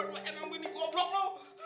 lu emang benih goblok lu